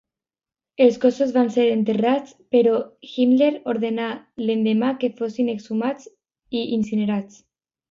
Els cossos van ser enterrats, però Himmler ordenà l'endemà que fossin exhumats i incinerats.